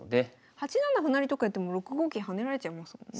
８七歩成とかやっても６五桂跳ねられちゃいますもんね。